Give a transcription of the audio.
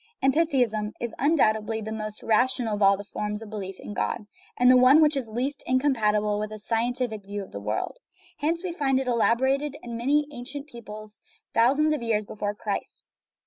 Amphitheism is undoubtedly the most rational of all forms of belief in God, and the one which is least incompatible with a scientific view of the world. Hence we find it elaborated in many ancient peoples thou sands of years before Christ.